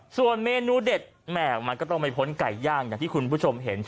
ส่วนเมนูเด็ดแหม่มันก็ต้องไม่พ้นไก่ย่างอย่างที่คุณผู้ชมเห็น